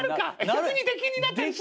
逆に出禁になったりして。